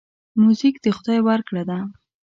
موزیک د خدای ورکړه ده.